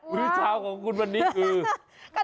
หรือเช้าของคุณวันนี้คือ